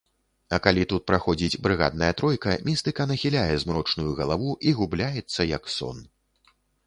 А калі тут праходзіць брыгадная тройка, містыка нахіляе змрочную галаву і губляецца, як сон.